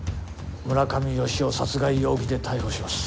村上好夫殺害容疑で逮捕します。